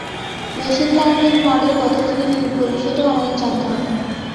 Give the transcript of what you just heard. Machine learning model কতখানি নির্ভুল সেটাও আমাদের জানতে হবে।